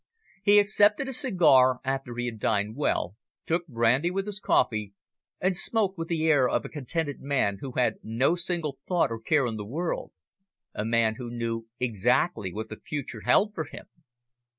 He accepted a cigar after he had dined well, took brandy with his coffee, and smoked with the air of a contented man who had no single thought or care in the world a man who knew exactly what the future held for him.